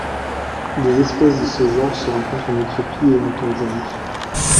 Les espèces de ce genre se rencontrent en Éthiopie et en Tanzanie.